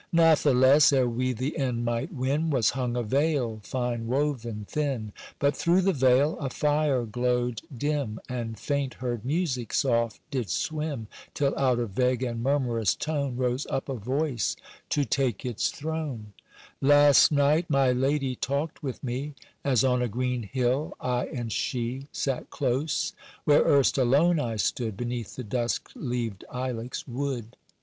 Natheless, ere we the end might win Was hung a veil, fine woven, thin, But through the veil a fire glowed dim, And faint heard music soft did swim, Till out of vague and murmurous tone Rose up a voice to take its throne:— "Last night my lady talked with me, As on a green hill, I and she Sat close, where erst alone I stood Beneath the dusk leaved ilex wood.